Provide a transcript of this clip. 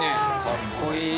かっこいい！